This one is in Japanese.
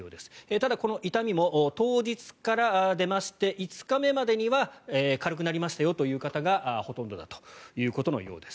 ただ、この痛みも当日から出まして５日目までには軽くなりましたよという人がほとんどだということです。